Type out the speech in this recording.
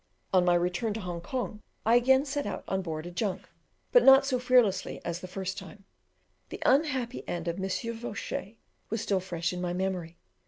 On my return to Hong Kong, I again set out on board a junk, but not so fearlessly as the first time; the unhappy end of Monsieur Vauchee was still fresh in my memory.